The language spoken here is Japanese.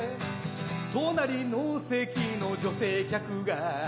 隣の席の女性客が